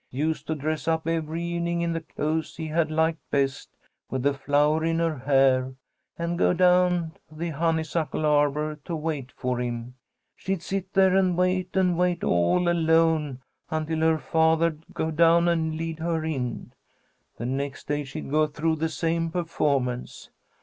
Used to dress up every evening in the clothes he had liked best, with a flower in her hair, and go down to the honeysuckle arbour to wait for him. She'd sit there and wait and wait all alone, until her father'd go down and lead her in. The next day she'd go through the same performance.